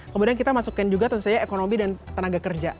kemudian kita masukkan juga tentu saja ekonomi dan tenaga kerja